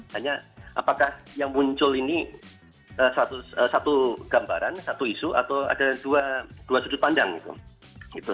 hanya apakah yang muncul ini satu gambaran satu isu atau ada dua sudut pandang gitu